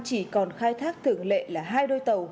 chỉ còn khai thác thường lệ là hai đôi tàu